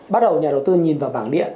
bắt đầu nhà đầu tư nhìn vào bảng điện